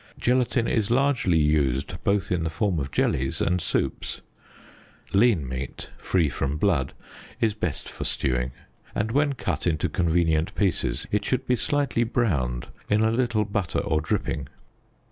Gelatin is largely used both in the form of jellies and soups. Lean meat, free from blood, is best for stewing, and, when cut into con venient pieces, it should be slightly browned in a little butter or dripping.